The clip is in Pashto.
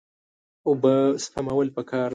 اوبه سپمول پکار دي.